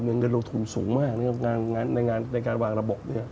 เงินโดยถุงสูงมากในการวางระบบเนี่ย